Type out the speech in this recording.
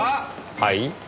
はい？